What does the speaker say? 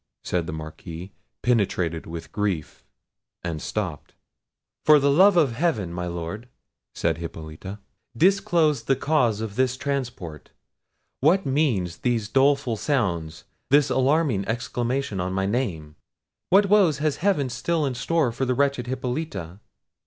said the Marquis, penetrated with grief, and stopped. "For the love of Heaven, my Lord," said Hippolita, "disclose the cause of this transport! What mean these doleful sounds, this alarming exclamation on my name? What woes has heaven still in store for the wretched Hippolita?